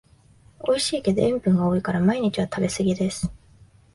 おいしいけど塩分が多いから毎日は食べすぎです